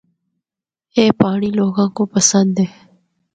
اے پانڑی لوگاں کو پسند ہے۔